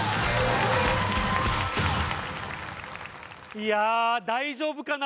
いやあ大丈夫かな？